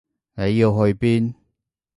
你要去邊？